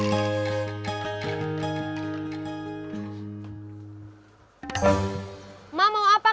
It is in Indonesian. mau minta beliin martabak ke kakak kamu